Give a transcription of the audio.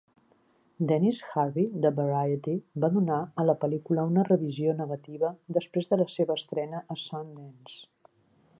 Dennis Harvey de "Variety" va donar a la pel·lícula una revisió negativa després de la seva estrena a Sundance.